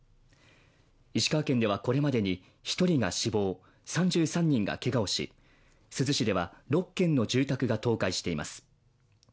石川県ではこれまでに１人が死亡、３３人がけがをし、珠洲市では、６軒の住宅が倒壊しています。